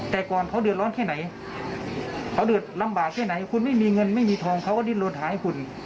แต่ก่อนเขาเดือดร้อนแค่ไหนเขาเดือดร้อนแค่ไหนคุณไม่มีเงินไม่มีทองเขาก็ดิ้นลนหาให้คุณ